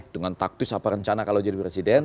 dengan taktis apa rencana kalau jadi presiden